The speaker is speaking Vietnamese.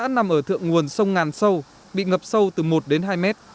các xã nằm ở thượng nguồn sông ngàn sâu bị ngập sâu từ một đến hai mét